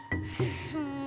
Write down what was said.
うん。